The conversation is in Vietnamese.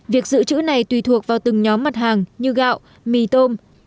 việc giữ chữ này tùy thuộc vào từng nhóm mặt hàng như gạo mì tôm